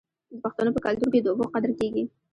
د پښتنو په کلتور کې د اوبو قدر کیږي.